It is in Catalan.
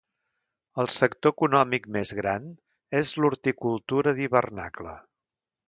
El sector econòmic més gran és l'horticultura d'hivernacle.